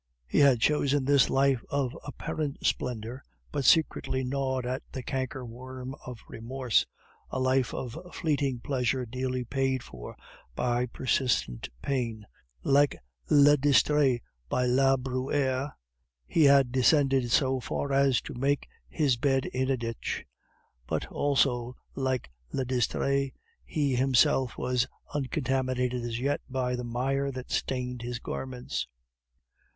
He had chosen this life of apparent splendor, but secretly gnawed by the canker worm of remorse, a life of fleeting pleasure dearly paid for by persistent pain; like Le Distrait of La Bruyere, he had descended so far as to make his bed in a ditch; but (also like Le Distrait) he himself was uncontaminated as yet by the mire that stained his garments.